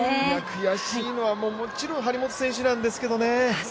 悔しいのはもちろん張本選手なんですけどね。